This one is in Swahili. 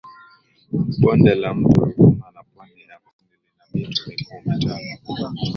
Bonde la Mto Ruvuma na Pwani ya Kusini lina mito mikuu mitano